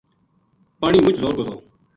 پانی مُچ زور کو تھو